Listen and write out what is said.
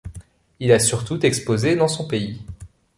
Il a surtout exposé dans son pays.